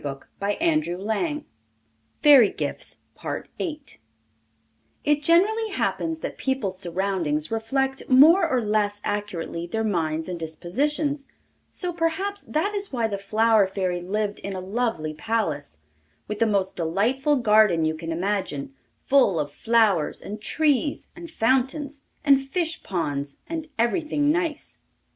By the Comte de Caylus. FAIRY GIFTS It generally happens that people's surroundings reflect more or less accurately their minds and dispositions, so perhaps that is why the Flower Fairy lived in a lovely palace, with the most delightful garden you can imagine, full of flowers, and trees, and fountains, and fish ponds, and everything nice.